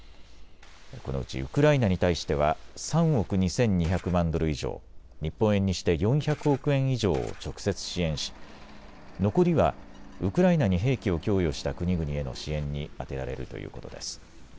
このうちウクライナに対しては３億２２００万ドル以上、日本円にして４００億円以上を直接支援し残りはウクライナに兵器を供与した国々への支援に充てられるということです。